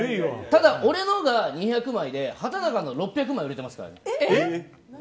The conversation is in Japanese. ただ、俺のが２００枚で畠中の６００枚売れてますからね。